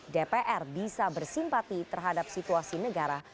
dpr bisa bersimpati terhadap situasi negara